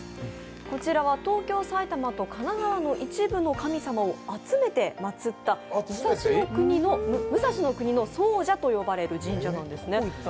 こちらは東京、埼玉と神奈川の一部の神様を集めてまつった、武蔵国の総社と呼ばれる神社なんですね。